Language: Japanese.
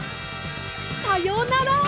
さようなら！